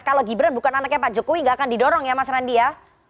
kalau gibran bukan anaknya pak jokowi nggak akan didorong ya mas randi ya